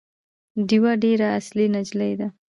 ډیوه ډېره اصولي نجلی ده